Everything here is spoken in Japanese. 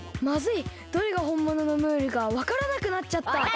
まずいどれがほんもののムールかわからなくなっちゃった。